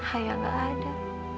ayah nggak ada